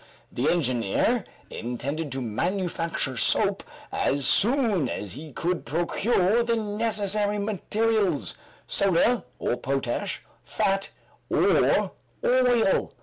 The engineer intended to manufacture soap as soon as he could procure the necessary materials soda or potash, fat or oil.